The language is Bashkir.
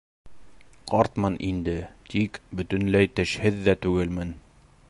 Ҡартмын инде, тик бөтөнләй тешһеҙ ҙә түгелмен.